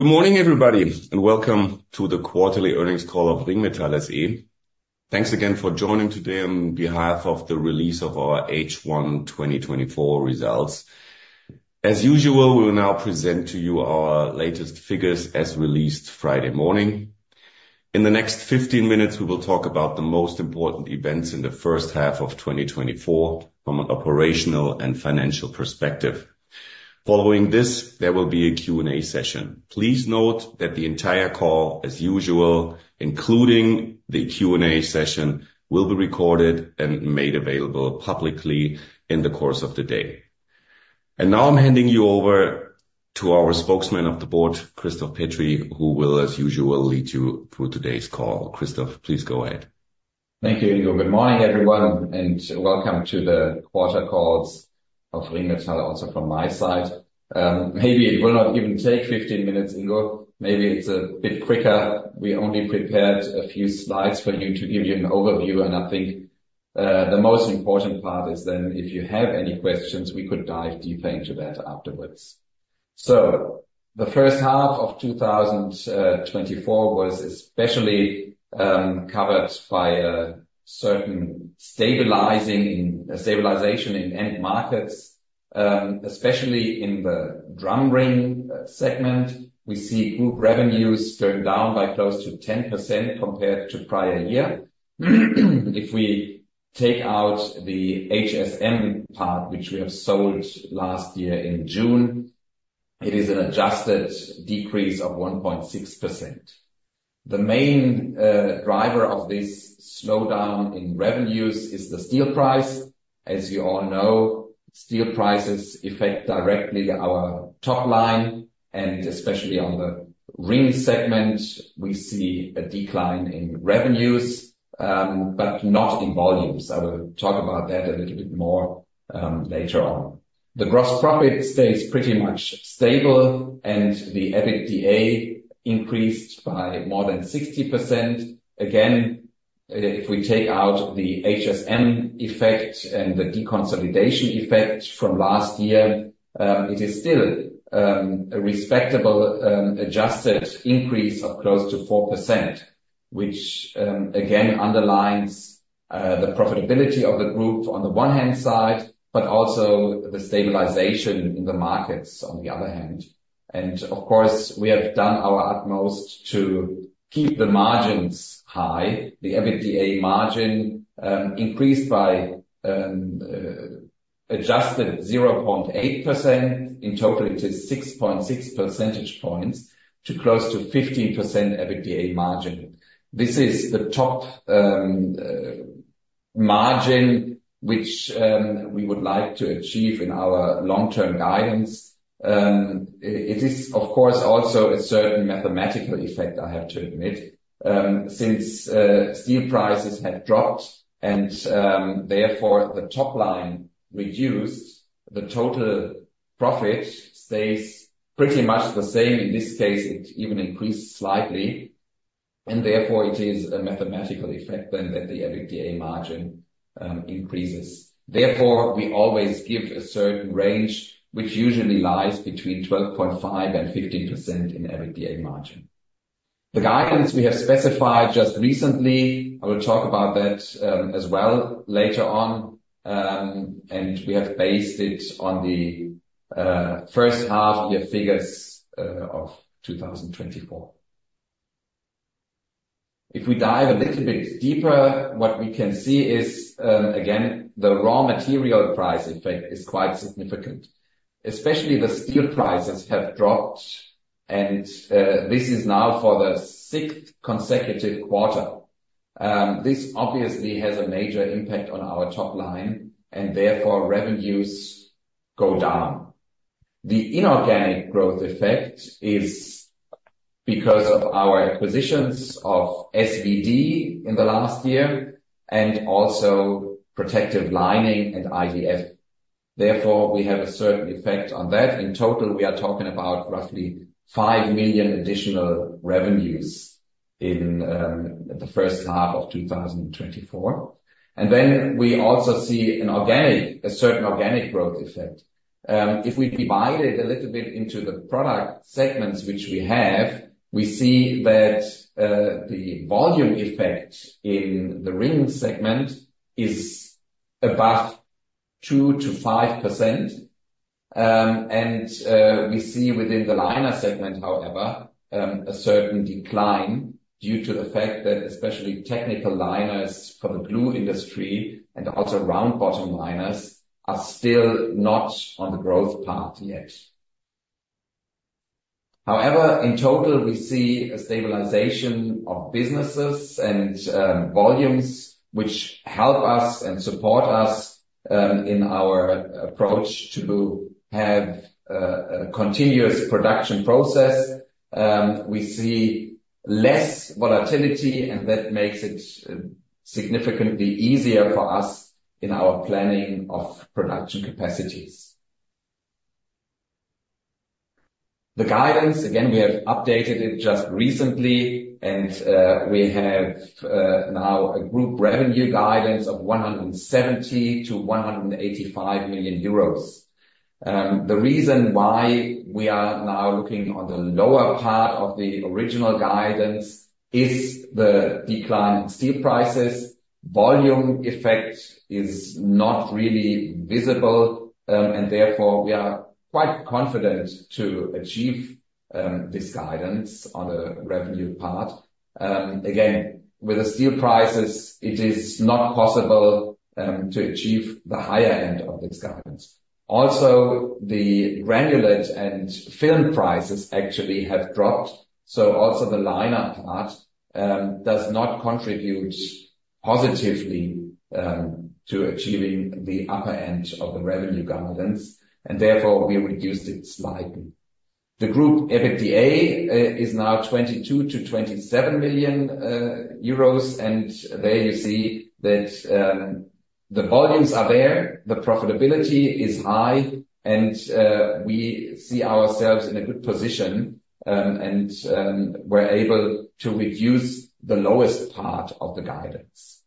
Good morning, everybody, and welcome to the quarterly earnings call of Ringmetall SE. Thanks again for joining today on behalf of the release of our H1 2024 results. As usual, we will now present to you our latest figures as released Friday morning. In the next 15 minutes, we will talk about the most important events in the first half of 2024 from an operational and financial perspective. Following this, there will be a Q&A session. Please note that the entire call, as usual, including the Q&A session, will be recorded and made available publicly in the course of the day. And now I'm handing you over to our Spokesman of the Board, Christoph Petri, who will, as usual, lead you through today's call. Christoph, please go ahead. Thank you, Ingo. Good morning, everyone, and welcome to the quarter calls of Ringmetall, also from my side. Maybe it will not even take fifteen minutes, Ingo. Maybe it's a bit quicker. We only prepared a few slides for you to give you an overview, and I think, the most important part is then if you have any questions, we could dive deeper into that afterwards. So the first half of 2024 was especially covered by a certain stabilization in end markets, especially in the drum ring segment. We see group revenues going down by close to 10% compared to prior year. If we take out the HSM part, which we have sold last year in June, it is an adjusted decrease of 1.6%. The main driver of this slowdown in revenues is the steel price. As you all know, steel prices affect directly our top line, and especially on the ring segment, we see a decline in revenues, but not in volumes. I will talk about that a little bit more, later on. The gross profit stays pretty much stable, and the EBITDA increased by more than 60%. Again, if we take out the HSM effect and the deconsolidation effect from last year, it is still, a respectable, adjusted increase of close to 4%, which, again, underlines, the profitability of the group on the one-hand side, but also the stabilization in the markets on the other hand, and of course, we have done our utmost to keep the margins high. The EBITDA margin increased by adjusted 0.8%. In total, it is 6.6 percentage points to close to 15% EBITDA margin. This is the top margin which we would like to achieve in our long-term guidance. It is, of course, also a certain mathematical effect, I have to admit. Since steel prices have dropped and therefore the top line reduced, the total profit stays pretty much the same. In this case, it even increased slightly, and therefore it is a mathematical effect then that the EBITDA margin increases. Therefore, we always give a certain range, which usually lies between 12.5% and 15% in EBITDA margin. The guidance we have specified just recently, I will talk about that, as well later on, and we have based it on the first half year figures of 2024. If we dive a little bit deeper, what we can see is, again, the raw material price effect is quite significant. Especially the steel prices have dropped, and this is now for the sixth consecutive quarter. This obviously has a major impact on our top line, and therefore, revenues go down. The inorganic growth effect is because of our acquisitions of SVD in the last year and also Protective Lining and IDF. Therefore, we have a certain effect on that. In total, we are talking about roughly five million additional revenues in the first half of 2024. And then we also see an organic, a certain organic growth effect. If we divide it a little bit into the product segments which we have, we see that the volume effect in the ring segment is above 2%-5%. And we see within the liner segment, however, a certain decline due to the fact that especially technical liners for the glue industry and also round bottom liners are still not on the growth path yet. However, in total, we see a stabilization of businesses and volumes which help us and support us in our approach to have a continuous production process. We see less volatility, and that makes it significantly easier for us in our planning of production capacities. The guidance, again, we have updated it just recently, and we have now a group revenue guidance of 170 million-185 million euros. The reason why we are now looking on the lower part of the original guidance is the decline in steel prices. Volume effect is not really visible, and therefore, we are quite confident to achieve this guidance on the revenue part. Again, with the steel prices, it is not possible to achieve the higher end of this guidance. Also, the granulate and film prices actually have dropped, so also the liner part does not contribute positively to achieving the upper end of the revenue guidance, and therefore, we reduced it slightly. The group's EBITDA is now 22 million-27 million euros, and there you see that, the volumes are there, the profitability is high, and, we see ourselves in a good position. And, we're able to reduce the lowest part of the guidance.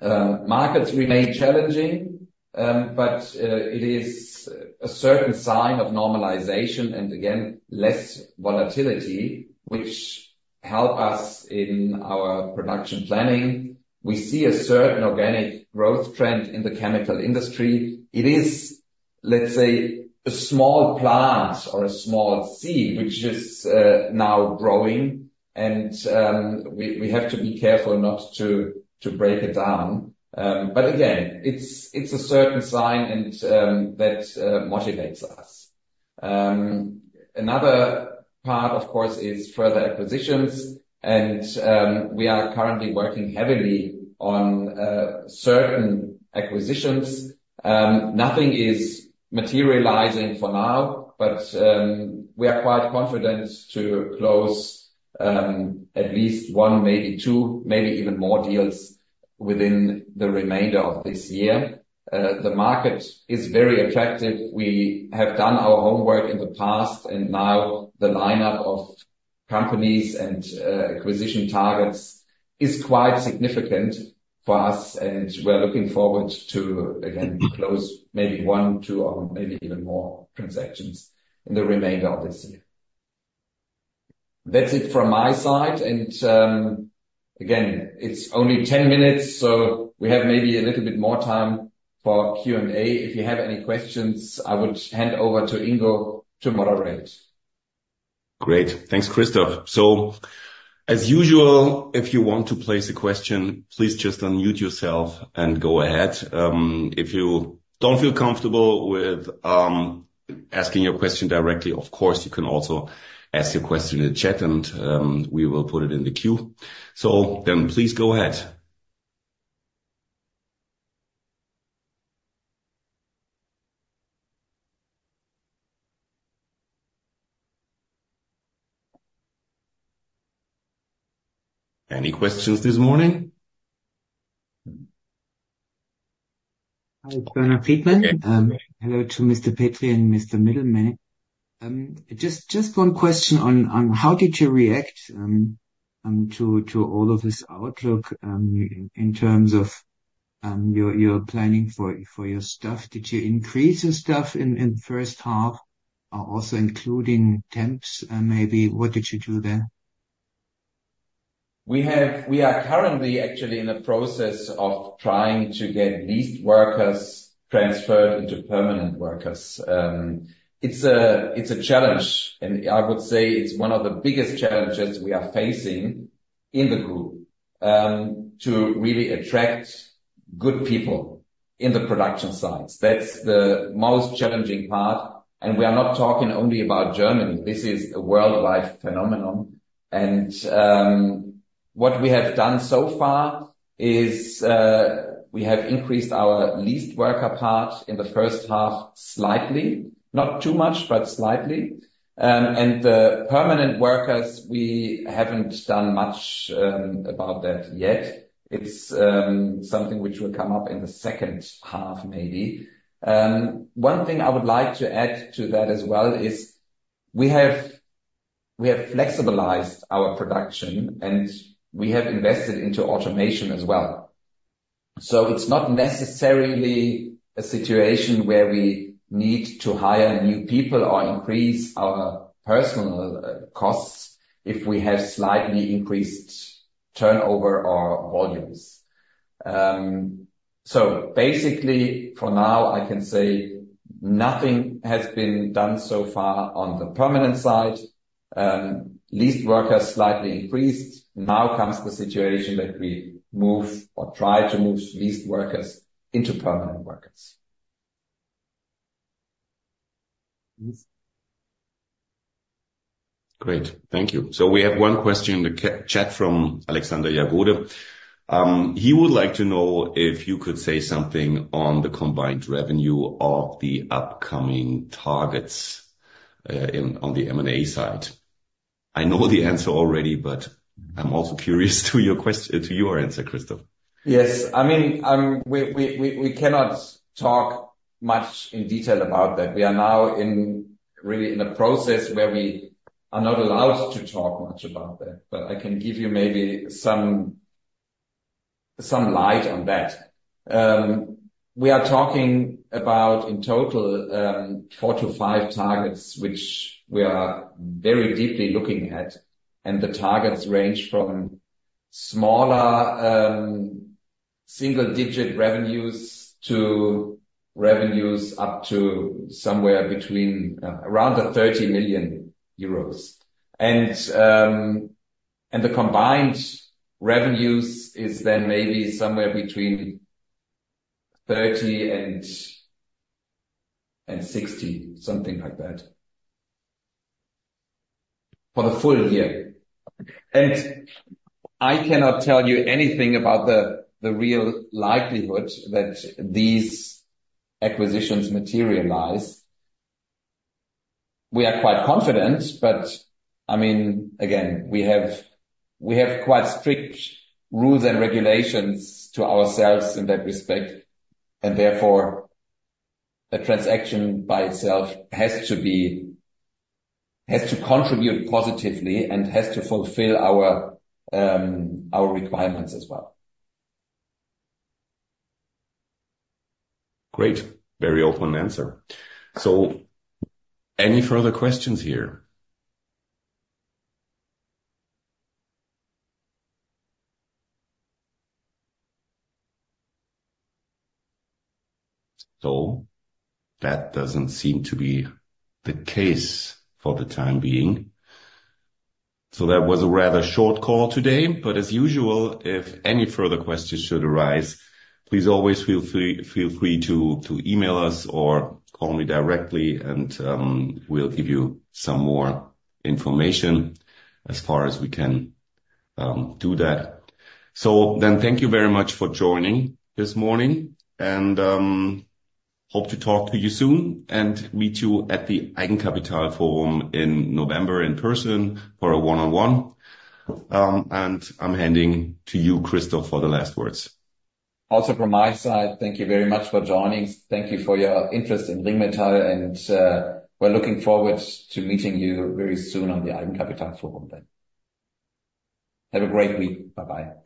Markets remain challenging, but, it is a certain sign of normalization and again, less volatility, which help us in our production planning. We see a certain organic growth trend in the chemical industry. It is, let's say, a small plant or a small seed, which is, now growing, and, we have to be careful not to break it down. But again, it's a certain sign, and, that motivates us. Another part, of course, is further acquisitions, and, we are currently working heavily on, certain acquisitions. Nothing is materializing for now, but we are quite confident to close at least one, maybe two, maybe even more deals within the remainder of this year. The market is very attractive. We have done our homework in the past, and now the lineup of companies and acquisition targets is quite significant for us, and we're looking forward to, again, close maybe one, two, or maybe even more transactions in the remainder of this year. That's it from my side, and again, it's only 10 minutes, so we have maybe a little bit more time for Q&A. If you have any questions, I would hand over to Ingo to moderate. Great. Thanks, Christoph. So as usual, if you want to place a question, please just unmute yourself and go ahead. If you don't feel comfortable with asking your question directly, of course, you can also ask your question in the chat, and we will put it in the queue. So then please go ahead. Any questions this morning? Hi, Bernard Friedman. Hello to Mr. Petri and Mr. Middelmenne. Just one question on how did you react to all of this outlook in terms of your planning for your staff? Did you increase your staff in the first half also including temps? And maybe what did you do there? We are currently actually in the process of trying to get leased workers transferred into permanent workers. It's a challenge, and I would say it's one of the biggest challenges we are facing in the group to really attract good people in the production sites. That's the most challenging part, and we are not talking only about Germany. This is a worldwide phenomenon. What we have done so far is we have increased our leased worker part in the first half, slightly. Not too much, but slightly. The permanent workers, we haven't done much about that yet. It's something which will come up in the second half, maybe. One thing I would like to add to that as well is we have flexibilized our production, and we have invested into automation as well. So it's not necessarily a situation where we need to hire new people or increase our personnel costs if we have slightly increased turnover or volumes. So basically, for now, I can say nothing has been done so far on the permanent side. Leased workers slightly increased. Now comes the situation that we move or try to move leased workers into permanent workers. Great. Thank you. So we have one question in the chat from Alexander Jagode. He would like to know if you could say something on the combined revenue of the upcoming targets, on the M&A side. I know the answer already, but I'm also curious to your answer, Christoph. Yes. I mean, we cannot talk much in detail about that. We are now really in a process where we are not allowed to talk much about that. But I can give you maybe some light on that. We are talking about, in total, four to five targets, which we are very deeply looking at, and the targets range from smaller, single-digit revenues to revenues up to somewhere around the 30 million euros. And the combined revenues is then maybe somewhere between 30 and 60, something like that, for the full year. And I cannot tell you anything about the real likelihood that these acquisitions materialize. We are quite confident, but I mean, again, we have quite strict rules and regulations to ourselves in that respect, and therefore, a transaction by itself has to contribute positively and has to fulfill our, our requirements as well. Great. Very open answer. So any further questions here? So that doesn't seem to be the case for the time being. So that was a rather short call today, but as usual, if any further questions should arise, please always feel free to email us or call me directly, and we'll give you some more information as far as we can do that. So then, thank you very much for joining this morning and hope to talk to you soon and meet you at the Eigenkapitalforum in November in person for a one-on-one. And I'm handing to you, Christoph, for the last words. Also from my side, thank you very much for joining. Thank you for your interest in Ringmetall, and we're looking forward to meeting you very soon on the Eigenkapitalforum then. Have a great week. Bye-bye.